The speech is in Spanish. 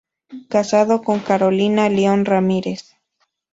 Casado con Carolina Lyon Ramírez.